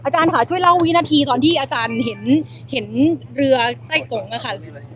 ค่ะช่วยเล่าวินาทีตอนที่อาจารย์เห็นเรือใกล้กงนะคะ